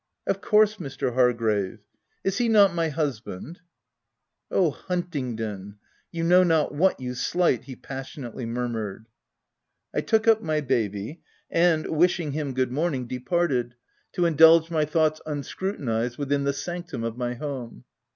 u Of course, Mr. Hargrave ; is he not my husband V* " Oh, Huntingdon, you know not what you slight !" he passionately murmured. I took up my baby and, wishing him good morn i 3 178 THE TENANT ing, departed, to indulge my thoughts unscruti nized, within the sanctum of my home.